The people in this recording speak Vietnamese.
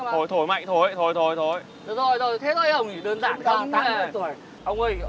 được rồi thế thôi ông đơn giản thôi